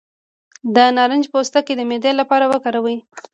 د نارنج پوستکی د معدې لپاره وکاروئ